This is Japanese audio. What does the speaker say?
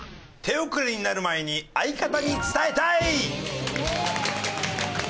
手遅れになる前に相方に伝えたい！